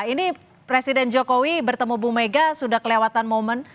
ini presiden jokowi bertemu bu mega sudah kelewatan momen